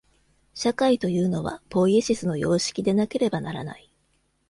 社会というのは、ポイエシスの様式でなければならない。